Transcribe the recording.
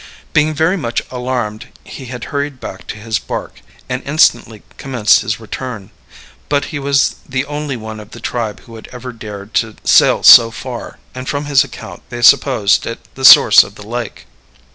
Being very much alarmed, he had hurried back to his bark and instantly commenced his return; but he was the only one of the tribe who had ever dared to sail so far, and from his account they supposed it the source of the lake.